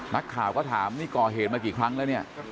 นักข่าวก็ถามนี่ก่อเหตุมากี่ครั้งแล้วเนี่ย